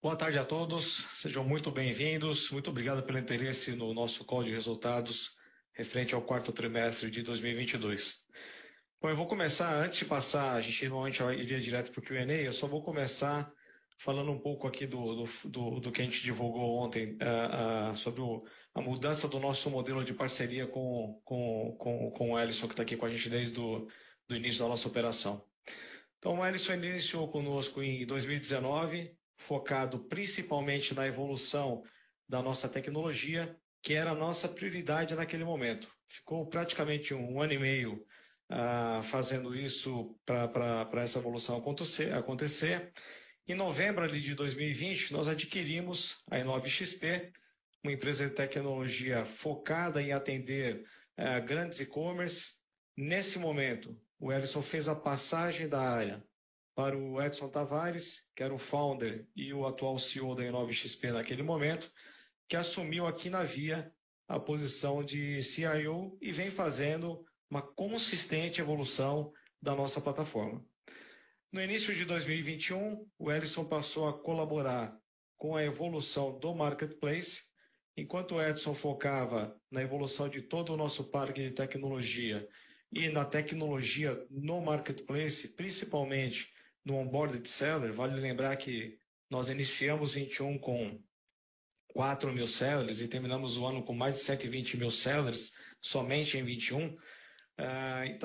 Boa tarde a todos. Sejam muito bem-vindos. Muito obrigado pelo interesse no nosso call de resultados referente ao quarto trimestre de 2022. Bom, eu vou começar antes de a gente normalmente vai ir direto pro Q&A, eu só vou começar falando um pouco aqui do que a gente divulgou ontem sobre o a mudança do nosso modelo de parceria com o Helisson, que tá aqui com a gente desde do início da nossa operação. O Helisson iniciou conosco em 2019, focado principalmente na evolução da nossa tecnologia, que era a nossa prioridade naquele momento. Ficou praticamente um ano e meio fazendo isso pra essa evolução acontecer. Em novembro ali de 2020, nós adquirimos a i9XP, uma empresa de tecnologia focada em atender grandes e-commerces. Nesse momento, o Helisson fez a passagem da área para o Edson Tavares, que era o founder e o atual CEO da i9XP naquele momento, que assumiu aqui na Via a posição de CIO e vem fazendo uma consistente evolução da nossa plataforma. No início de 2021, o Helisson passou a colaborar com a evolução do marketplace, enquanto o Edson focava na evolução de todo o nosso parque de tecnologia e na tecnologia no marketplace, principalmente no onboard de seller. Vale lembrar que nós iniciamos 2021 com 4,000 sellers e terminamos o ano com mais de 120,000 sellers somente em 2021.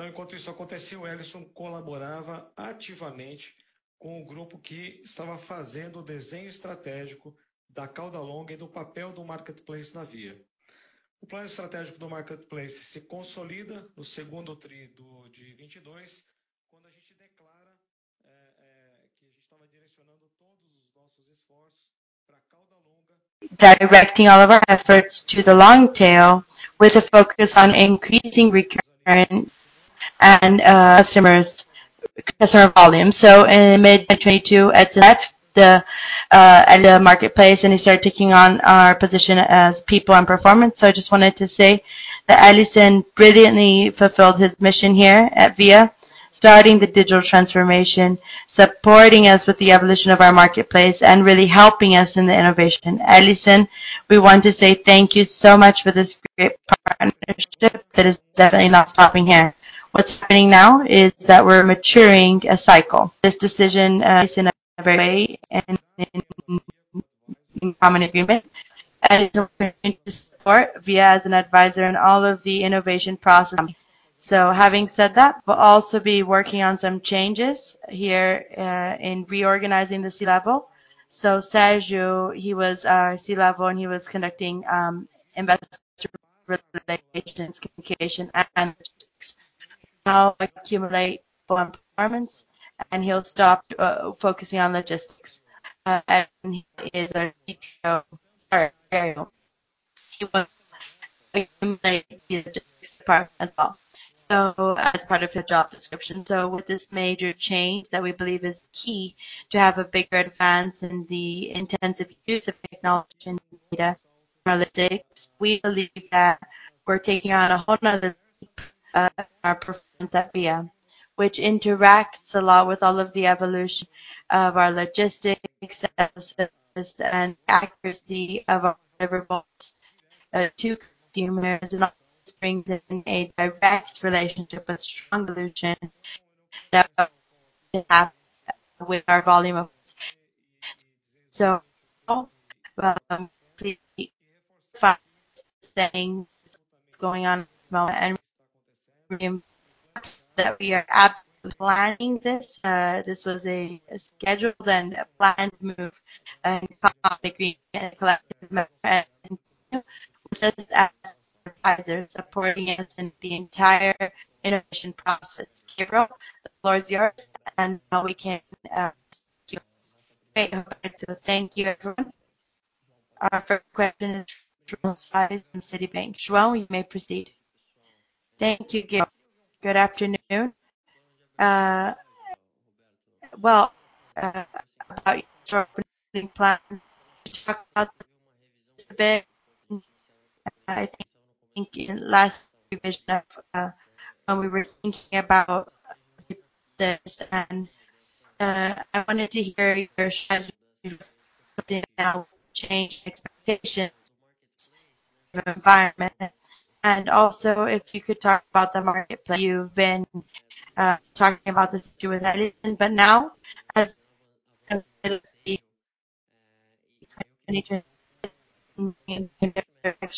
Enquanto isso acontecia, o Helisson colaborava ativamente com o grupo que estava fazendo o desenho estratégico da cauda longa e do papel do marketplace na Via. O plano estratégico do marketplace se consolida no segundo tri de 2022, quando a gente declara que a gente tava direcionando todos os nossos esforços pra cauda longa. Directing all of our efforts to the long tail with a focus on increasing recurring and customer volume. In mid-2022, Edson left the marketplace and he started taking on our position as people and performance. I just wanted to say that Helisson brilliantly fulfilled his mission here at Via, starting the digital transformation, supporting us with the evolution of our marketplace, and really helping us in the innovation. Helisson, we want to say thank you so much for this great partnership that is definitely not stopping here. What's happening now is that we're maturing a cycle. This decision is in every way and in common agreement. Helisson will continue to support Via as an advisor in all of the innovation processes. Having said that, we'll also be working on some changes here in reorganizing the C-level. Sérgio, he was our C-level and he was conducting investor relations, communication, and logistics. He will now accumulate people and performance, and he'll stop focusing on logistics. He is our CTO. Sorry. He will accumulate the logistics part as well. As part of his job description. With this major change that we believe is key to have a bigger advance in the intensive use of technology and data analytics, we believe that we're taking on a whole another leap in our performance at Via, which interacts a lot with all of the evolution of our logistics services and accuracy of our deliverables to consumers. All of this brings in a direct relationship with strong evolution that we have with our volume of sales. Please keep following us to see what's going on at the moment. We are absolutely planning this. This was a scheduled and a planned move and followed the agreement and collaborative effort with Helisson, who does act as an advisor supporting us in the entire innovation process. Gabriel, the floor is yours, and now we can start the Q&A. Great. Thank you, everyone. Our first question is from João Soares from Citibank. João, you may proceed. Thank you. Good afternoon. Well, about your growth and plans, could you talk about the market a bit? I think in the last revision of, when we were thinking about this and, I wanted to hear your strategy with the now changed expectations of the market space and environment. Also if you could talk about the marketplace, you've been talking about this issue with Helisson. Now as a little bit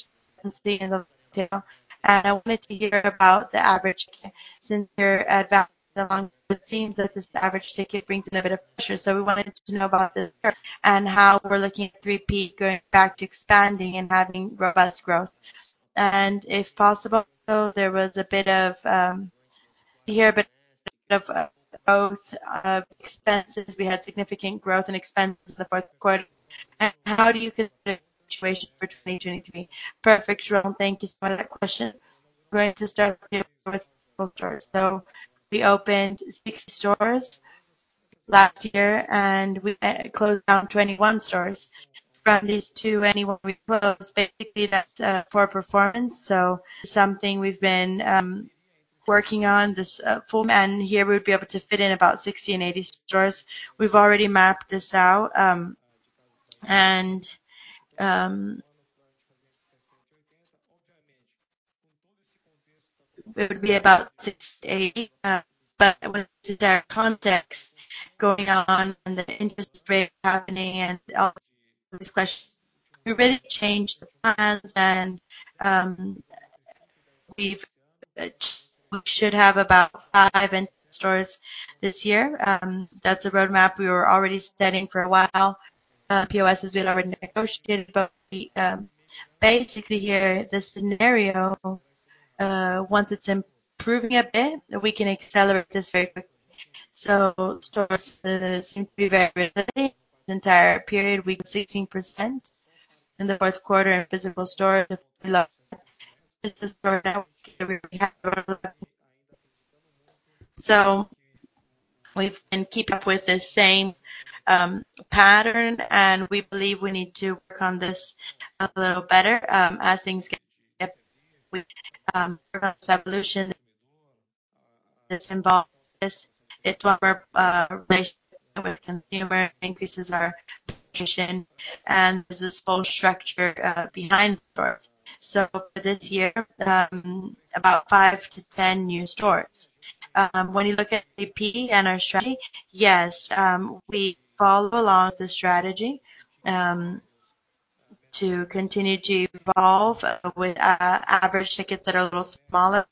of the and I wanted to hear about the average ticket since you're advancing along. It seems that this average ticket brings in a bit of pressure. We wanted to know about this and how we're looking at 3P going back to expanding and having robust growth. If possible, there was a bit to hear a bit of both expenses. We had significant growth in expenses in the fourth quarter. How do you consider the situation for 2023? Perfect, João. Thank you so much for that question. We're going to start with physical stores. We opened 60 stores last year, and we closed down 21 stores. From these 21 we closed, basically that's poor performance. Something we've been working on this form. Here we would be able to fit in about 60 and 80 stores. We've already mapped this out. It would be about 60 to 80, but with the entire context going on and the interest rates happening and all these questions, we really changed the plans. We should have about five in-store this year. That's a roadmap we were already studying for a while. POS has been already negotiated, but we. Basically here, the scenario, once it's improving a bit, we can accelerate this very quickly. Stores seem to be very ready. This entire period, we did 16%. In the fourth quarter in physical stores, we lost. This is the roadmap we have. We can keep up with the same pattern, and we believe we need to work on this a little better. As things get, we work on a solution that involves this. It will work, relationship with consumer increases our position and there's this whole structure behind the stores. For this year, about 5-10 new stores. When you look at AP and our strategy, yes, we follow along with the strategy to continue to evolve with average tickets that are a little smaller.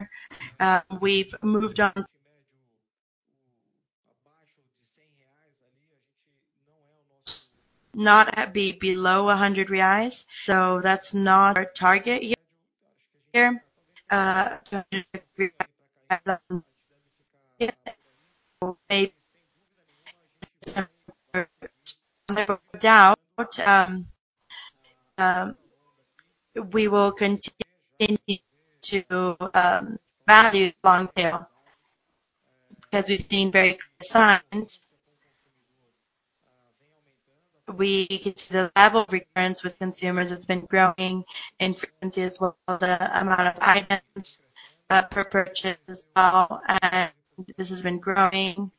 We've moved on. Not below 100 reais. That's not our target yet. We will continue to value long tail because we've seen very clear signs. We can see the level of recurrence with consumers has been growing and frequency as well. The amount of items per purchase as well. This has been growing.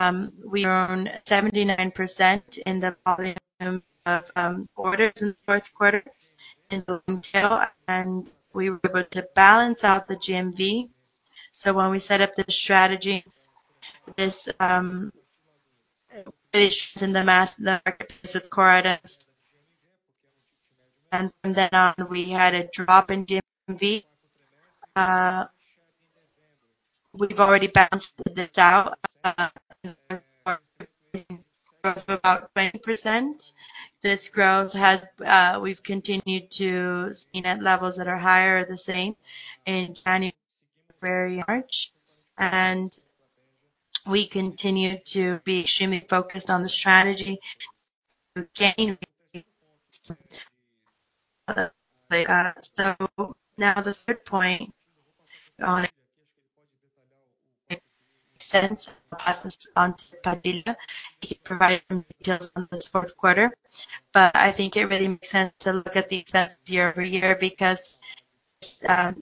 We own 79% in the volume of orders in the fourth quarter in retail, and we were able to balance out the GMV. When we set up the strategy, this finished in the math, the markets with score. From then on, we had a drop in GMV. We've already bounced this out. Growth of about 20%. This growth has, we've continued to see net levels that are higher or the same in January, February, March. We continue to be extremely focused on the strategy to gain. Now the third point on it makes sense. I'll pass this on to Padilha. He can provide some details on this fourth quarter. I think it really makes sense to look at the expenses year-over-year because, back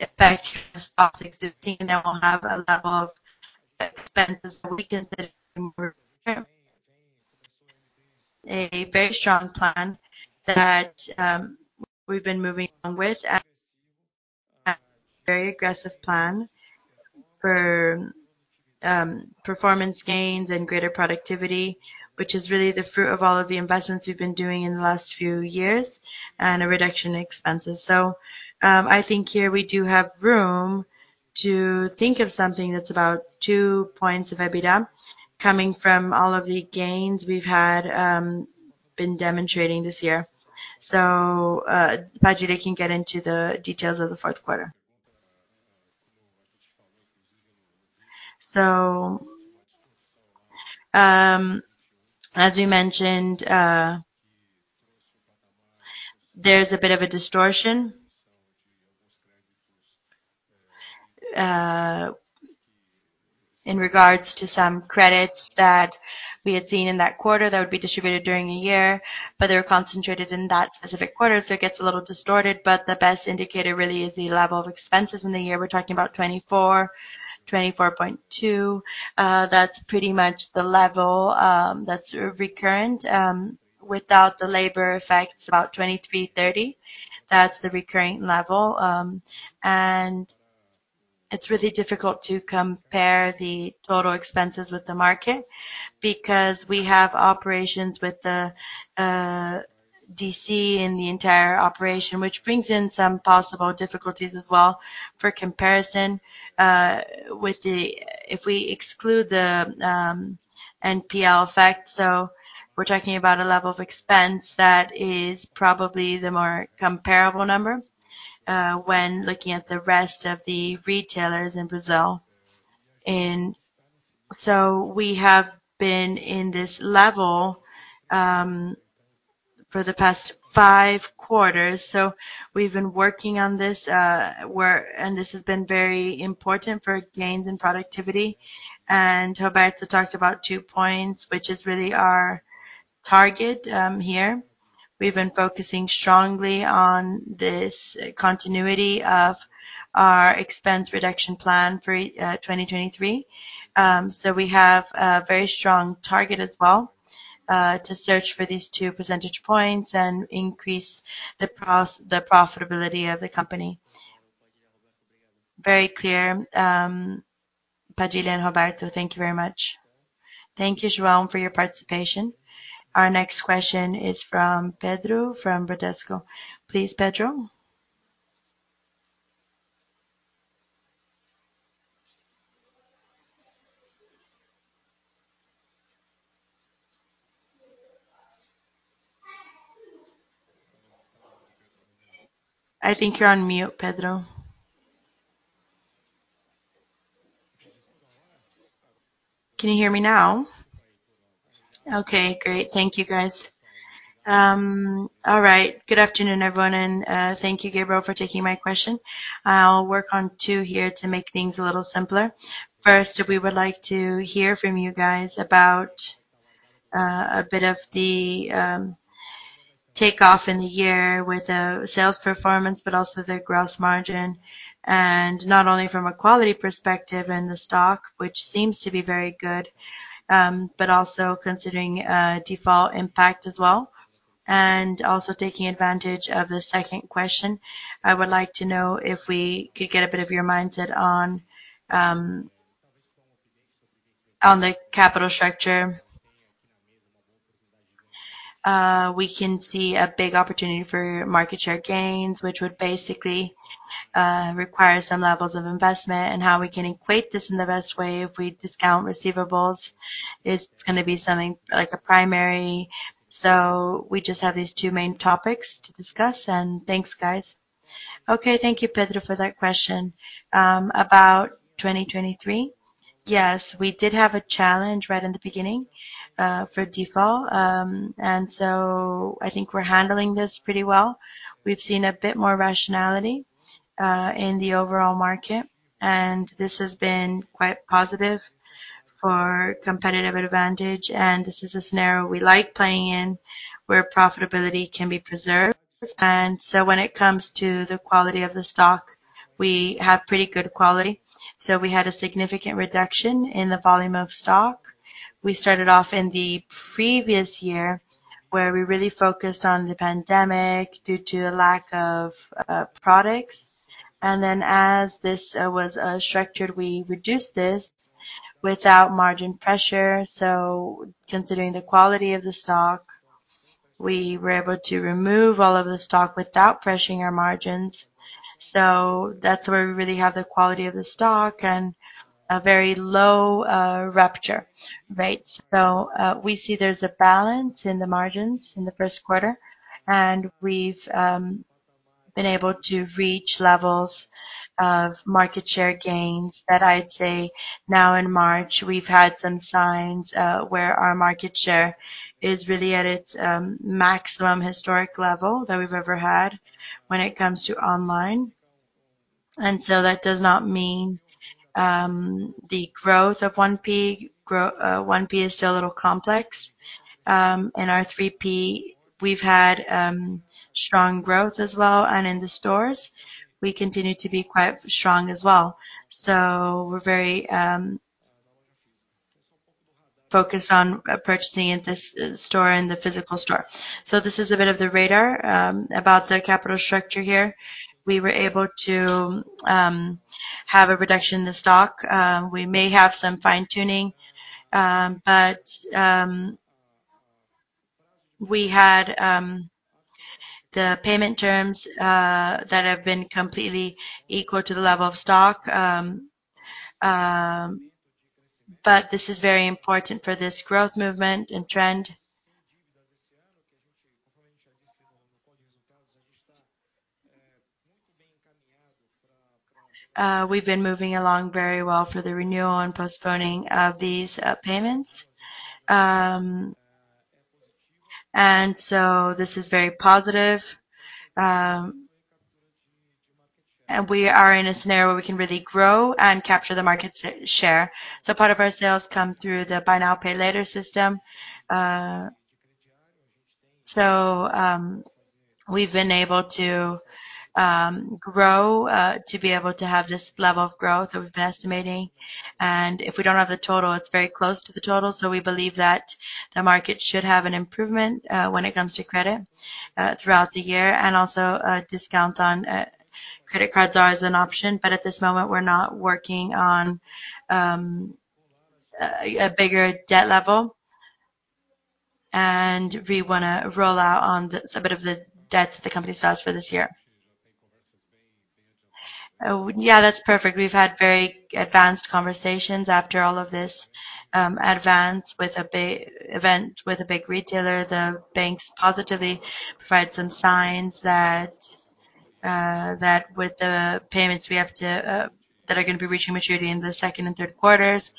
in 2016, they will have a level of expenses that we can then work through. A very strong plan that, we've been moving on with. A very aggressive plan for performance gains and greater productivity, which is really the fruit of all of the investments we've been doing in the last few years and a reduction in expenses. I think here we do have room to think of something that's about two points of EBITDA coming from all of the gains we've had been demonstrating this year. Padilha can get into the details of the fourth quarter. As we mentioned, there's a bit of a distortion. In regards to some credits that we had seen in that quarter that would be distributed during a year, but they were concentrated in that specific quarter. It gets a little distorted, but the best indicator really is the level of expenses in the year. We're talking about 24%, 24.2%. That's pretty much the level that's recurrent. Without the labor effects, about 23.30%. That's the recurring level. It's really difficult to compare the total expenses with the market because we have operations with the DC in the entire operation, which brings in some possible difficulties as well for comparison. If we exclude the NPL effect, we're talking about a level of expense that is probably the more comparable number when looking at the rest of the retailers in Brazil. We have been in this level for the past five quarters. We've been working on this. This has been very important for gains in productivity. Roberto talked about two points, which is really our target here. We've been focusing strongly on this continuity of our expense reduction plan for 2023. We have a very strong target as well to search for these 2 percentage points and increase the profitability of the company. Very clear, Padilha and Roberto, thank you very much. Thank you, João, for your participation. Our next question is from Pedro from Bradesco. Please, Pedro. I think you're on mute, Pedro. Can you hear me now? Okay, great. Thank you, guys. All right. Good afternoon, everyone, thank you, Gabriel, for taking my question. I'll work on two here to make things a little simpler. First, we would like to hear from you guys about a bit of the takeoff in the year with sales performance, but also the gross margin, not only from a quality perspective in the stock, which seems to be very good, but also considering default impact as well. Also taking advantage of the second question, I would like to know if we could get a bit of your mindset on the capital structure. We can see a big opportunity for market share gains, which would basically require some levels of investment and how we can equate this in the best way if we discount receivables. It's gonna be something like a primary. We just have these two main topics to discuss. Thanks, guys. Okay. Thank you, Pedro, for that question. About 2023, yes, we did have a challenge right in the beginning for default. I think we're handling this pretty well. We've seen a bit more rationality in the overall market, and this has been quite positive for competitive advantage. This is a scenario we like playing in, where profitability can be preserved. When it comes to the quality of the stock, we have pretty good quality. We had a significant reduction in the volume of stock. We started off in the previous year, where we really focused on the pandemic due to a lack of products. As this was structured, we reduced this without margin pressure. Considering the quality of the stock, we were able to remove all of the stock without pressuring our margins. That's where we really have the quality of the stock and a very low rapture, right? We see there's a balance in the margins in the first quarter, and we've been able to reach levels of market share gains that I'd say now in March, we've had some signs where our market share is really at its maximum historic level that we've ever had when it comes to online. That does not mean the growth of 1P is still a little complex. In our 3P, we've had strong growth as well, and in the stores, we continue to be quite strong as well. We're very focused on purchasing at this store and the physical store. This is a bit of the radar about the capital structure here. We were able to have a reduction in the stock. We may have some fine-tuning, but we had the payment terms that have been completely equal to the level of stock. This is very important for this growth movement and trend. We've been moving along very well for the renewal and postponing of these payments. This is very positive. We are in a scenario where we can really grow and capture the market share. Part of our sales come through the Buy Now, Pay Later system. We've been able to grow to be able to have this level of growth that we've been estimating. If we don't have the total, it's very close to the total. We believe that the market should have an improvement when it comes to credit throughout the year. Discounts on credit cards are as an option. At this moment, we're not working on a bigger debt level. We want to roll out some bit of the debts that the company sells for this year. Oh, yeah, that's perfect. We've had very advanced conversations after all of this advance with an event with a big retailer. The banks positively provide some signs that with the payments we have to that are going to be reaching maturity in the second and third quarters.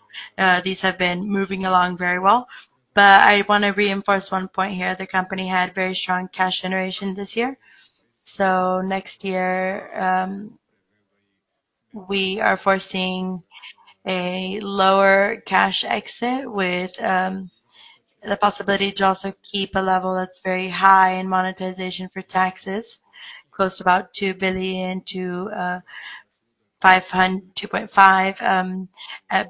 These have been moving along very well. I want to reinforce one point here. The company had very strong cash generation this year. Next year, we are foreseeing a lower cash exit with the possibility to also keep a level that's very high in monetization for taxes, close to about 2 billion-2.5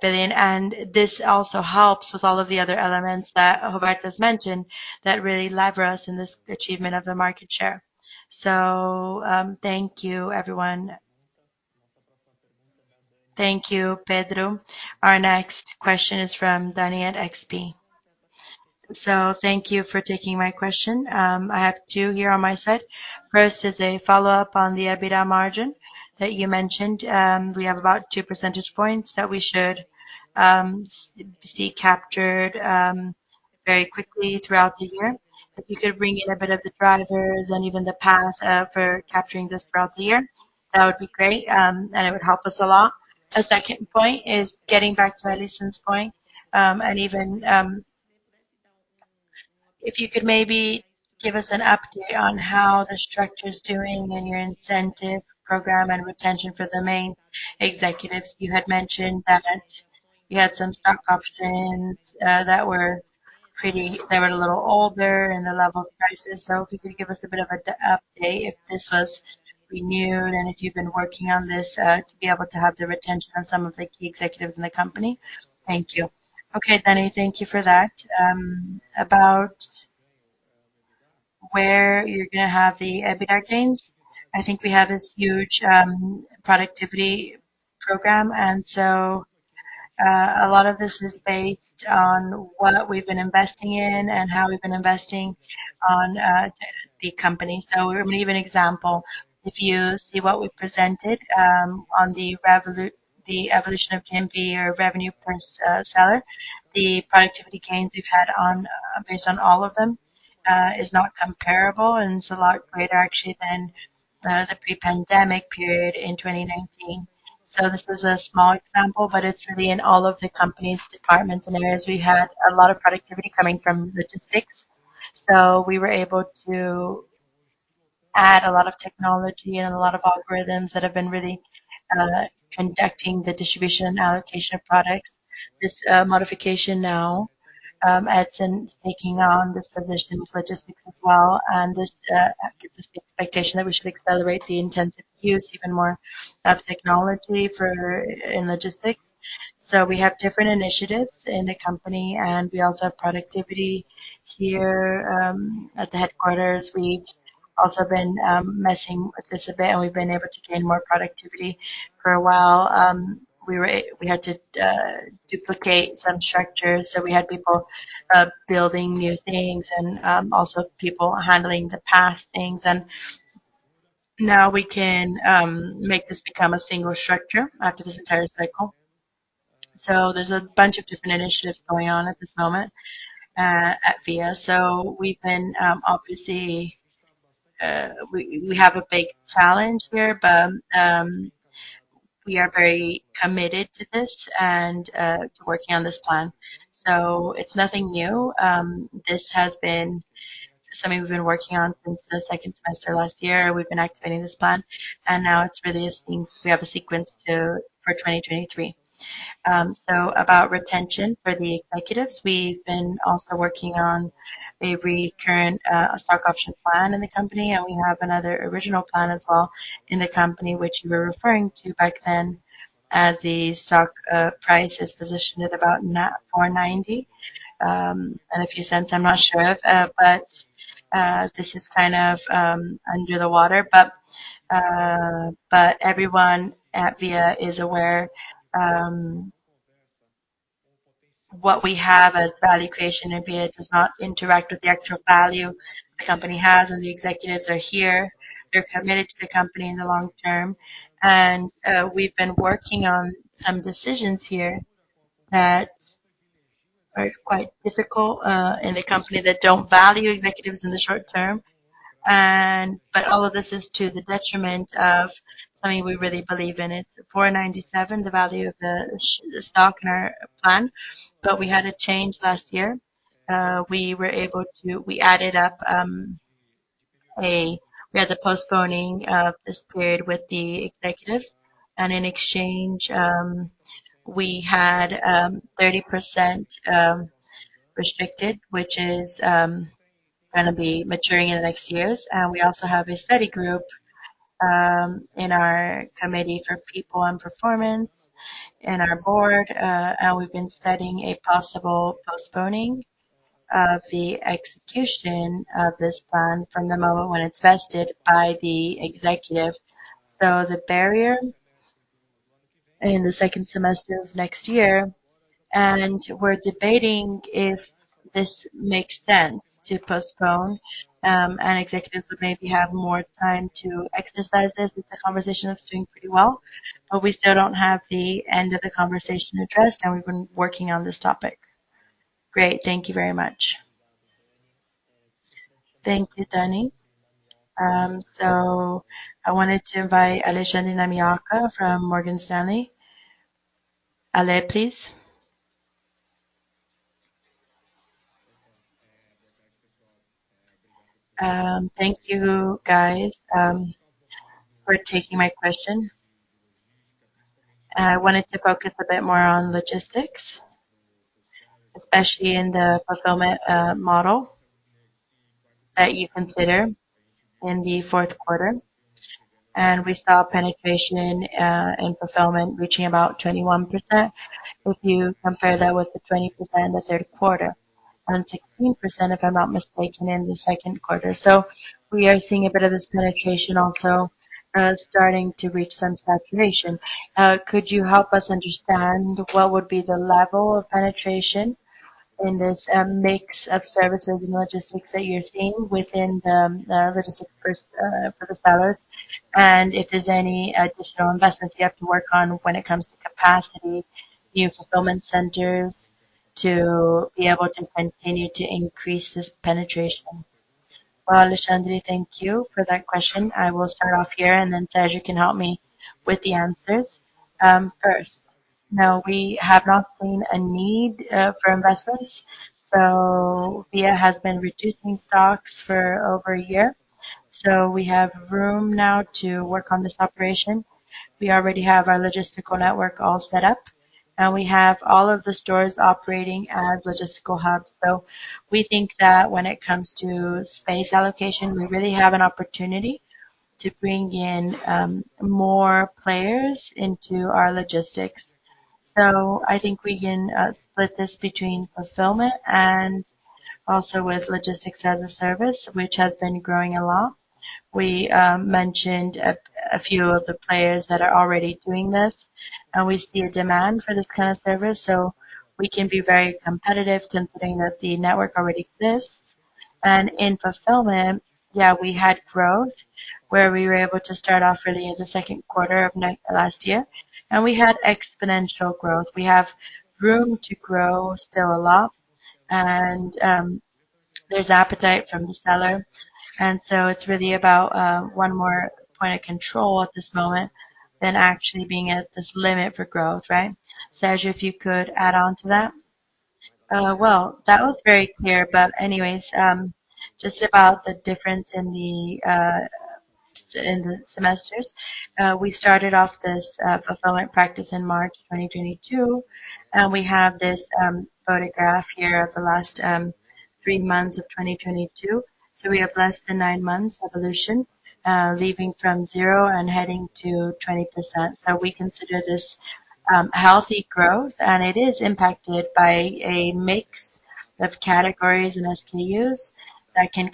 billion. This also helps with all of the other elements that Roberto's mentioned that really lever us in this achievement of the market share. Thank you everyone. Thank you, Pedro. Our next question is from Dani at XP. Thank you for taking my question. I have two here on my side. First is a follow-up on the EBITDA margin that you mentioned. We have about 2 percentage points that we should see captured very quickly throughout the year. If you could bring in a bit of the drivers and even the path for capturing this throughout the year, that would be great, and it would help us a lot. A second point is getting back to Helisson's point, and even if you could maybe give us an update on how the structure's doing in your incentive program and retention for the main executives. You had mentioned that you had some stock options that were a little older in the level of prices. If you could give us a bit of update if this was renewed and if you've been working on this to be able to have the retention on some of the key executives in the company. Thank you. Okay, Dani, thank you for that. About where you're gonna have the EBITDA gains. I think we have this huge productivity program, a lot of this is based on what we've been investing in and how we've been investing on the company. Let me give an example. If you see what we presented on the evolution of can be our revenue per seller. The productivity gains we've had on, based on all of them, is not comparable, and it's a lot greater actually than the pre-pandemic period in 2019. This is a small example, but it's really in all of the company's departments and areas. We had a lot of productivity coming from logistics. We were able to add a lot of technology and a lot of algorithms that have been really conducting the distribution and allocation of products. This modification now, Edson's taking on this position with logistics as well. This gives us the expectation that we should accelerate the intensive use even more of technology for, in logistics. We have different initiatives in the company, and we also have productivity here at the headquarters. We've also been meshing with this a bit, and we've been able to gain more productivity. For a while, we had to duplicate some structures, so we had people building new things and also people handling the past things. Now we can make this become a single structure after this entire cycle. There's a bunch of different initiatives going on at this moment at Via. We've been, obviously, we have a big challenge here, but we are very committed to this and to working on this plan. It's nothing new. This has been something we've been working on since the second semester last year. We've been activating this plan, and now it's really seeing we have a sequence to, for 2023. About retention for the executives. We've been also working on a recurrent stock option plan in the company, and we have another original plan as well in the company which you were referring to back then as the stock price is positioned at about 4.90 and a few cents, I'm not sure of. But this is kind of under the water. Everyone at Via is aware what we have as value creation at Via does not interact with the actual value the company has, and the executives are here. They're committed to the company in the long term. We've been working on some decisions here that are quite difficult in the company that don't value executives in the short term. All of this is to the detriment of something we really believe in. It's 4.97, the value of the stock in our plan. We had a change last year. We added up, We had the postponing of this period with the executives. In exchange, we had 30% of restricted, which is gonna be maturing in the next years. We also have a study group in our committee for people and performance and our board. We've been studying a possible postponing of the execution of this plan from the moment when it's vested by the executive. The barrier in the second semester of next year. We're debating if this makes sense to postpone, and executives would maybe have more time to exercise this. It's a conversation that's doing pretty well, we still don't have the end of the conversation addressed, and we've been working on this topic. Great. Thank you very much. Thank you, Dani. I wanted to invite Alexandre Namioka from Morgan Stanley. Ale, please. Thank you guys for taking my question. I wanted to focus a bit more on logistics, especially in the fulfillment model that you consider in the fourth quarter. We saw penetration and fulfillment reaching about 21%. If you compare that with the 20% in the third quarter and 16%, if I'm not mistaken, in the second quarter. We are seeing a bit of this penetration also starting to reach some saturation. Could you help us understand what would be the level of penetration in this mix of services and logistics that you're seeing within the logistics for the sellers? If there's any additional investments you have to work on when it comes to capacity in your fulfillment centers to be able to continue to increase this penetration. Alexandre, thank you for that question. I will start off here, and then, Sérgio, you can help me with the answers. First, no, we have not seen a need for investments. Via has been reducing stocks for over a year, so we have room now to work on this operation. We already have our logistical network all set up, and we have all of the stores operating as logistical hubs. We think that when it comes to space allocation, we really have an opportunity to bring in more players into our logistics. I think we can split this between fulfillment and also with logistics as a service, which has been growing a lot. We mentioned a few of the players that are already doing this, and we see a demand for this kind of service, so we can be very competitive considering that the network already exists. In fulfillment, yeah, we had growth where we were able to start off really in the second quarter of last year. We had exponential growth. We have room to grow still a lot. There's appetite from the seller. It's really about one more point of control at this moment than actually being at this limit for growth, right? Sérgio, if you could add on to that. Well, that was very clear. Anyways, just about the difference in the semesters. We started off this fulfillment practice in March 2022. We have this photograph here of the last three months of 2022. We have less than nine months evolution, leaving from zero and heading to 20%. We consider this healthy growth, and it is impacted by a mix of categories and SKUs that can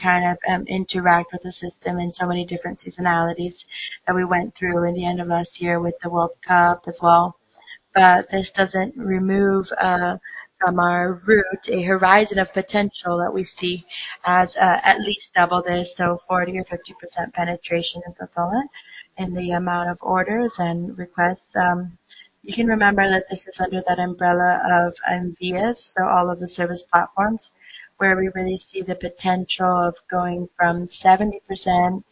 interact with the system in so many different seasonalities that we went through in the end of last year with the World Cup as well. This doesn't remove from our route a horizon of potential that we see as at least double this, 40% or 50% penetration in fulfillment in the amount of orders and requests. You can remember that this is under that umbrella of Envias, all of the service platforms where we really see the potential of going from 70%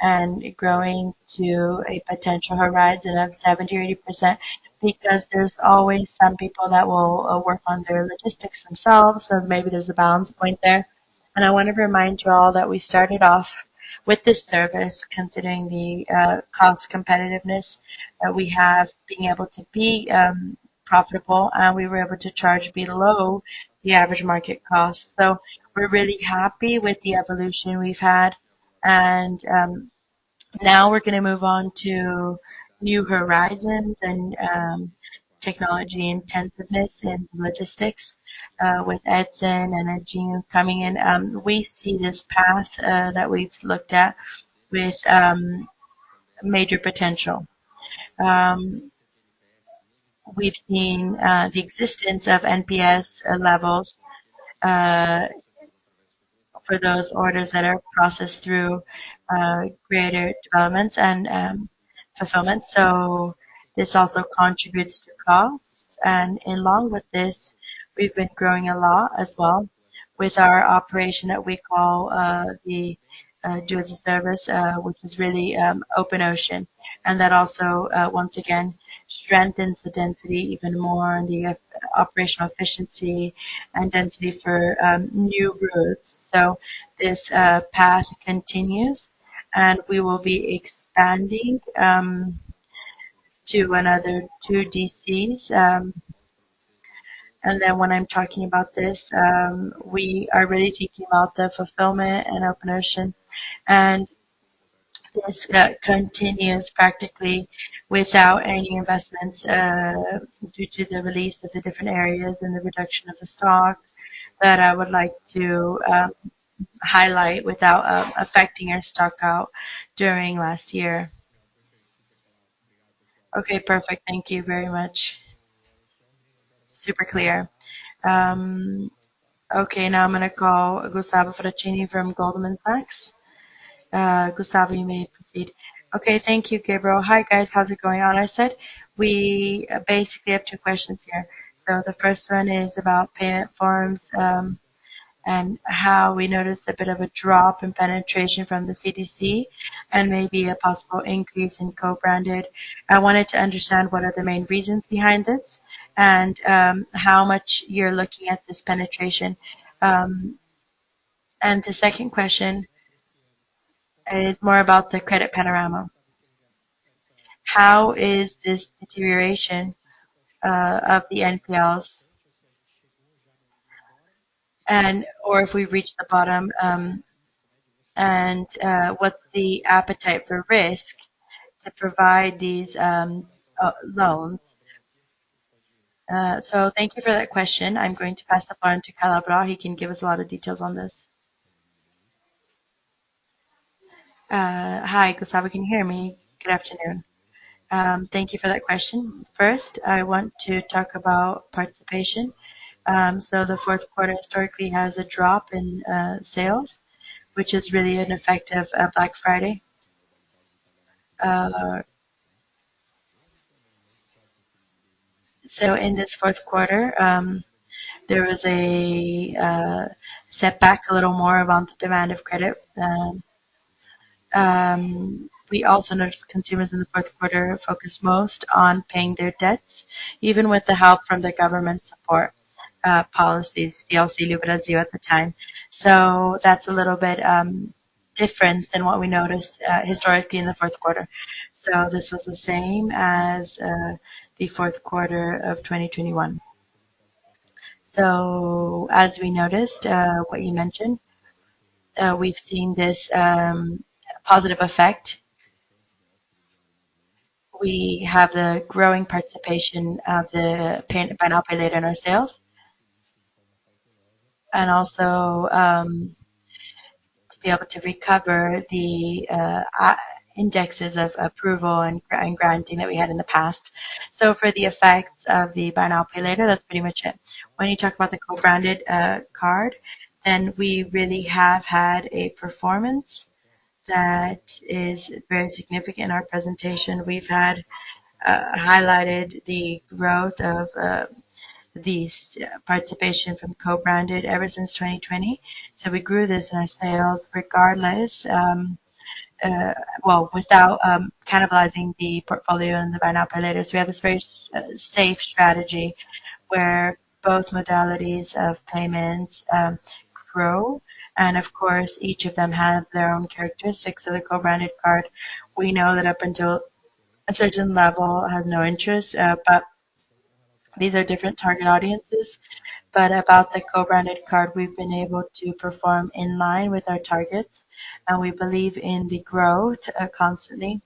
and growing to a potential horizon of 70% or 80% because there's always some people that will work on their logistics themselves. Maybe there's a balance point there. I want to remind you all that we started off with this service considering the cost competitiveness that we have, being able to be profitable, and we were able to charge below the average market cost. We're really happy with the evolution we've had and now we're gonna move on to new horizons and technology intensiveness in logistics with Edson do Edinho coming in. We see this path that we've looked at with major potential. We've seen the existence of NPS levels for those orders that are processed through greater developments and fulfillment. This also contributes to costs. Along with this, we've been growing a lot as well with our operation that we call the as a service, which is really open ocean. That also, once again strengthens the density even more on the operational efficiency and density for new routes. This path continues, and we will be expanding to another two DCs. When I'm talking about this, we are really talking about the fulfillment and Mar Aberto, and this continues practically without any investments, due to the release of the different areas and the reduction of the stock that I would like to highlight without affecting our stock out during last year. Perfect. Thank you very much. Super clear. Now I'm gonna call Gustavo Fratini from Goldman Sachs. Gustavo, you may proceed. Thank you, Gabriel. Hi, guys. How's it going on this side? We basically have two questions here. The first one is about forms, and how we noticed a bit of a drop in penetration from the CDC and maybe a possible increase in co-branded. I wanted to understand what are the main reasons behind this. How much you're looking at this penetration. The second question is more about the credit panorama. How is this deterioration of the NPLs or if we've reached the bottom, what's the appetite for risk to provide these loans? Thank you for that question. I'm going to pass the phone to Calabro. He can give us a lot of details on this. Hi, Gustavo. Can you hear me? Good afternoon. Thank you for that question. First, I want to talk about participation. The fourth quarter historically has a drop in sales, which is really an effect of Black Friday. In this fourth quarter, there was a setback, a little more about the demand of credit. We also noticed consumers in the fourth quarter focused most on paying their debts, even with the help from the government support policies, the Auxílio Brasil at the time. That's a little bit different than what we noticed historically in the fourth quarter. This was the same as the fourth quarter of 2021. As we noticed, what you mentioned, we've seen this positive effect. We have the growing participation of the Buy Now, Pay Later in our sales. Also, to be able to recover the indexes of approval and granting that we had in the past. For the effects of the Buy Now, Pay Later, that's pretty much it. You talk about the co-branded card, we really have had a performance that is very significant. In our presentation, we've had highlighted the growth of the participation from co-branded ever since 2020. We grew this in our sales regardless, well, without cannibalizing the portfolio and the Buy Now, Pay Laters. We have this very safe strategy where both modalities of payments grow. Of course, each of them have their own characteristics. The co-branded card, we know that up until a certain level has no interest. These are different target audiences. About the co-branded card, we've been able to perform in line with our targets, and we believe in the growth constantly,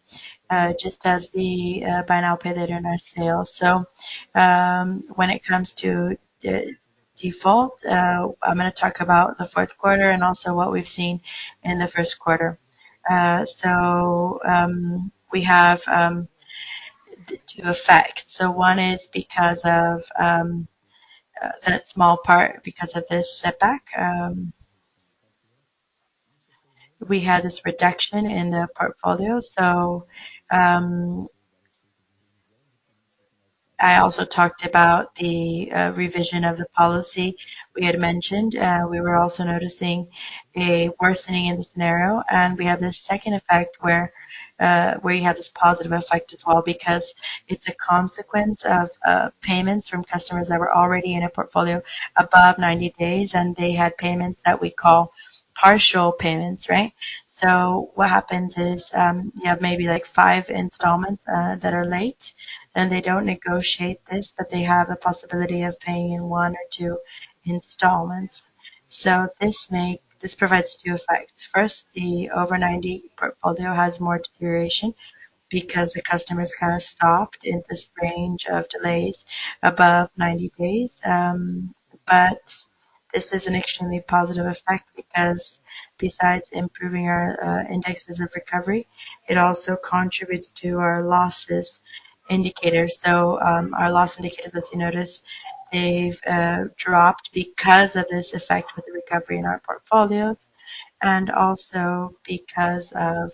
just as the Buy Now, Pay Later in our sales. When it comes to the default, I'm gonna talk about the fourth quarter and also what we've seen in the first quarter. We have two effects. One is because of that small part, because of this setback, we had this reduction in the portfolio. I also talked about the revision of the policy we had mentioned. We were also noticing a worsening in the scenario, and we have this second effect where you have this positive effect as well because it's a consequence of payments from customers that were already in a portfolio above 90 days, and they had payments that we call partial payments, right? What happens is, you have maybe, like, five installments that are late, and they don't negotiate this, but they have a possibility of paying one or two installments. This provides two effects. First, the over 90 portfolio has more deterioration because the customers kind of stopped in this range of delays above 90 days. This is an extremely positive effect because besides improving our indexes of recovery, it also contributes to our losses indicator. Our loss indicators, as you noticed, they've dropped because of this effect with the recovery in our portfolios and also because of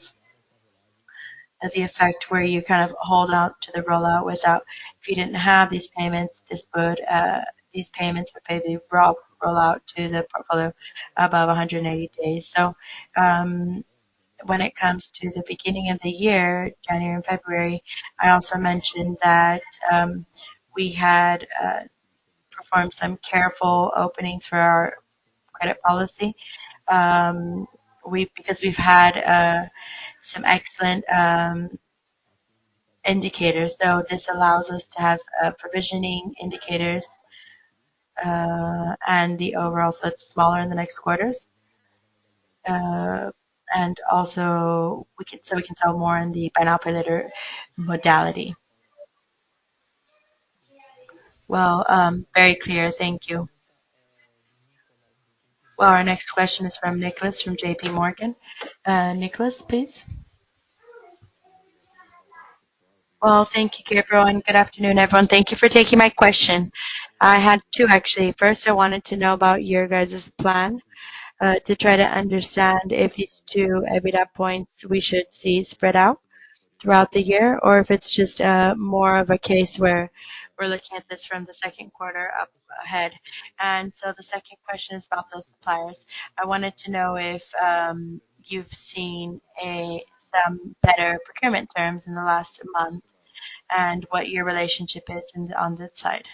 the effect where you kind of hold out to the rollout. If you didn't have these payments, these payments would probably roll out to the portfolio above 180 days. When it comes to the beginning of the year, January and February, I also mentioned that we had performed some careful openings for our credit policy. Because we've had some excellent indicators. This allows us to have provisioning indicators and the overall, so it's smaller in the next quarters. Also we can sell more on the Buy Now, Pay Later modality. Well, very clear. Thank you. Well, our next question is from Nicolás from JPMorgan. Nicholas, please. Well, thank you, everyone. Good afternoon, everyone. Thank you for taking my question. I had two, actually. First, I wanted to know about your guys' plan to try to understand if these two EBITDA points we should see spread out throughout the year or if it's just more of a case where we're looking at this from the second quarter up ahead. The second question is about those suppliers. I wanted to know if you've seen some better procurement terms in the last month and what your relationship is on that side.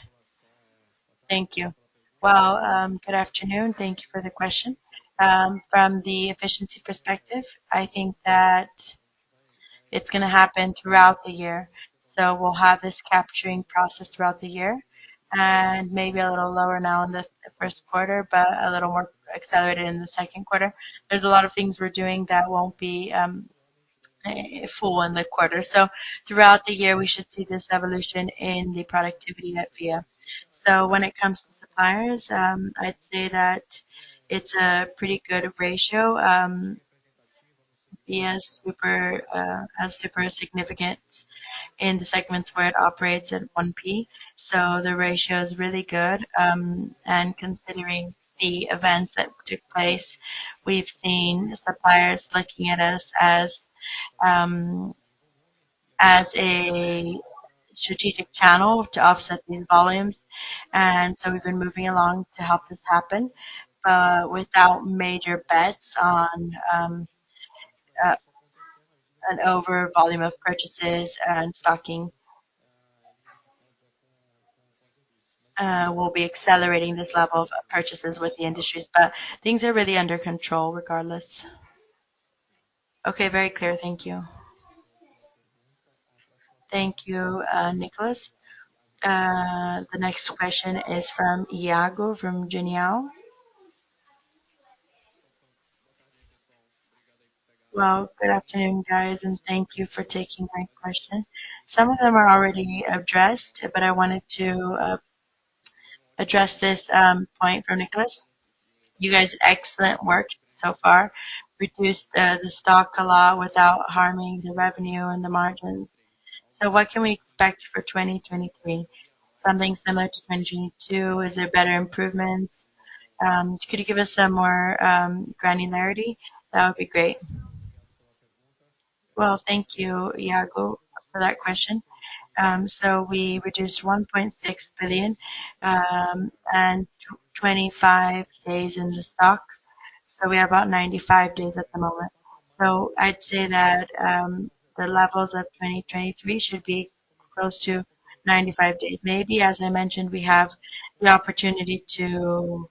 Thank you. Well, good afternoon. Thank you for the question. From the efficiency perspective, I think that it's gonna happen throughout the year. We'll have this capturing process throughout the year and maybe a little lower now in the first quarter, but a little more accelerated in the second quarter. There's a lot of things we're doing that won't be full in the quarter. Throughout the year, we should see this evolution in the productivity net view. When it comes to suppliers, I'd say that it's a pretty good ratio. Via super significance in the segments where it operates at 1P. The ratio is really good. And considering the events that took place, we've seen suppliers looking at us as a strategic channel to offset these volumes. We've been moving along to help this happen without major bets on an over volume of purchases and stocking. We'll be accelerating this level of purchases with the industries. Things are really under control regardless. Okay. Very clear. Thank you. Thank you, Nicolás. The next question is from Iago, from Genial. Good afternoon, guys, and thank you for taking my question. Some of them are already addressed. I wanted to address this point for Nicholas. You guys, excellent work so far. Reduced the stock a lot without harming the revenue and the margins. What can we expect for 2023? Something similar to 2022? Is there better improvements? Could you give us some more granularity? That would be great. Well, thank you, Iago, for that question. We reduced 1.6 billion and 25 days in the stock. We are about 95 days at the moment. I'd say that the levels of 2023 should be close to 95 days. Maybe, as I mentioned, we have the opportunity to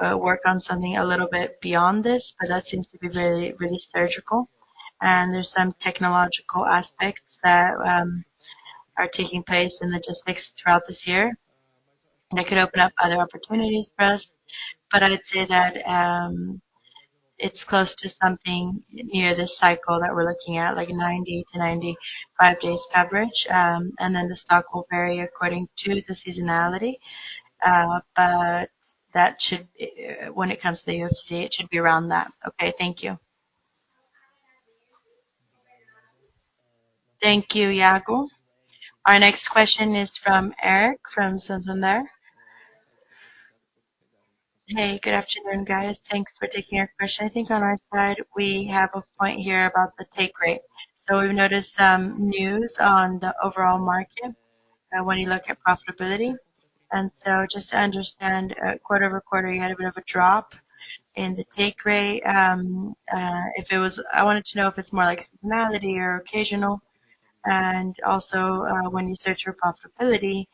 work on something a little bit beyond this, but that seems to be very, really surgical. There's some technological aspects that are taking place in logistics throughout this year, and it could open up other opportunities for us. I would say that it's close to something near this cycle that we're looking at, like 90-95 days average. The stock will vary according to the seasonality. But that should when it comes to the UFC, it should be around that. Thank you. Thank you, Iago. Our next question is from Eric from Santander. Good afternoon, guys. Thanks for taking our question. I think on our side, we have a point here about the take rate. We've noticed some news on the overall market, when you look at profitability. Just to understand, quarter-over-quarter, you had a bit of a drop in the take rate. I wanted to know if it's more like seasonality or occasional. When you search for profitability,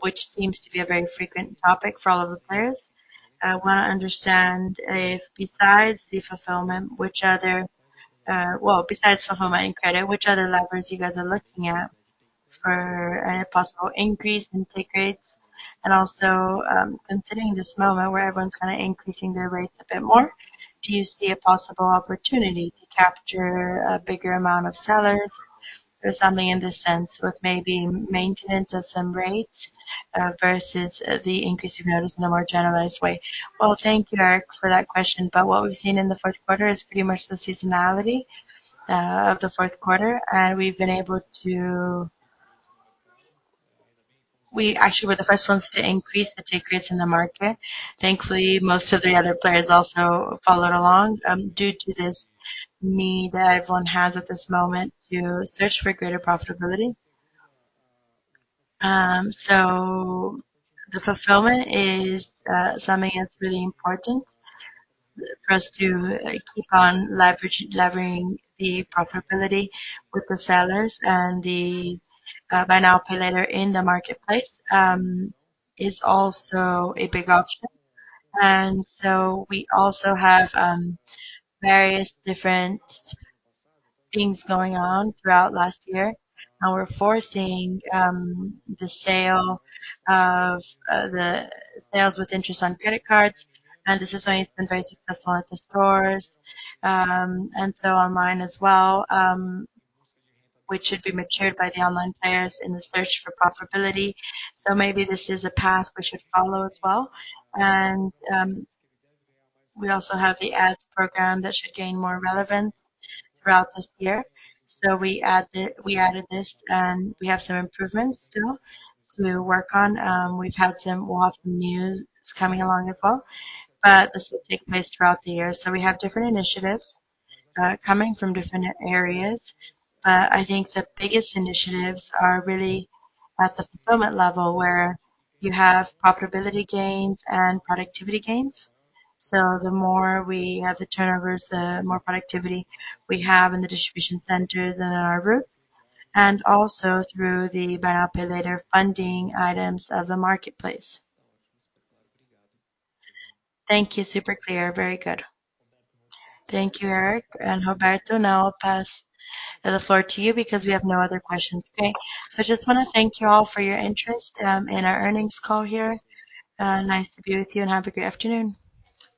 which seems to be a very frequent topic for all of the players, I wanna understand if besides fulfillment and credit, which other levers you guys are looking at for a possible increase in take rates. Also, considering this moment where everyone's kinda increasing their rates a bit more, do you see a possible opportunity to capture a bigger amount of sellers or something in this sense with maybe maintenance of some rates versus the increase you've noticed in a more generalized way? Well, thank you, Eric, for that question. What we've seen in the fourth quarter is pretty much the seasonality of the fourth quarter. We actually were the first ones to increase the take rates in the market. Thankfully, most of the other players also followed along due to this need that everyone has at this moment to search for greater profitability. The fulfillment is something that's really important for us to keep on levering the profitability with the sellers and the Buy Now, Pay Later in the marketplace is also a big option. We also have various different things going on throughout last year. Now we're forcing the sales with interest on credit cards. This is something that's been very successful at the stores and online as well, which should be matured by the online players in the search for profitability. Maybe this is a path we should follow as well. We also have the ads program that should gain more relevance throughout this year. We added this. We have some improvements still to work on. We'll have news coming along as well, but this will take place throughout the year. We have different initiatives, coming from different areas. I think the biggest initiatives are really at the fulfillment level where you have profitability gains and productivity gains. The more we have the turnovers, the more productivity we have in the distribution centers and in our routes, and also through the Buy Now, Pay Later funding items of the marketplace. Thank you. Super clear. Very good. Thank you, Eric. Roberto, now I'll pass the floor to you because we have no other questions. Okay. I just wanna thank you all for your interest, in our earnings call here. Nice to be with you, and have a great afternoon.